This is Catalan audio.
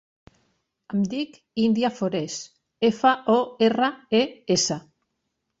Em dic Índia Fores: efa, o, erra, e, essa.